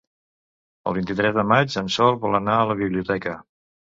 El vint-i-tres de maig en Sol vol anar a la biblioteca.